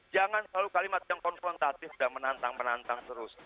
jangan selalu kalimat yang konfrontatif dan menantang menantang terus